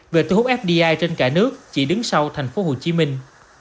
về thu hút fdi trên cả nước chỉ đứng sau thành phố hồ chí minh